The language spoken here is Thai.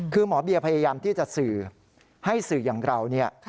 คือหมอเบียพยายามที่จะสื่อให้สื่ออย่างเราเนี่ย